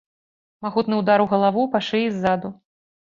Магутны удар у галаву, па шыі ззаду.